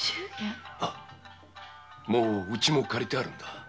もう家も借りてあるんだ。